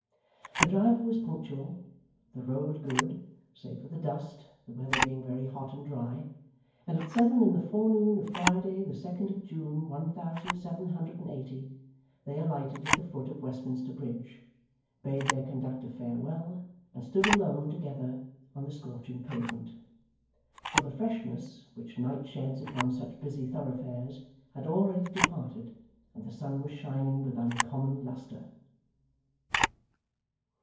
The driver was punctual, the road good save for the dust, the weather being very hot and dry and at seven in the forenoon of Friday the second of June, one thousand seven hundred and eighty, they alighted at the foot of Westminster Bridge, bade their conductor farewell, and stood alone, together, on the scorching pavement. For the freshness which night sheds upon such busy thoroughfares had already departed, and the sun was shining with uncommon lustre.